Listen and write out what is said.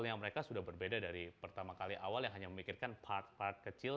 yang mereka sudah berbeda dari pertama kali awal yang hanya memikirkan part part kecil